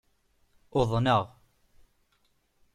Uḍnaɣ.